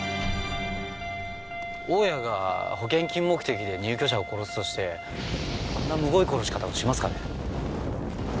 大家が保険金目的で入居者を殺すとしてあんなむごい殺し方をしますかね？